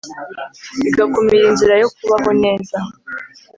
bigakumira inzira yo kubaho neza